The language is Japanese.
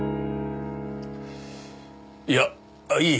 いやいい。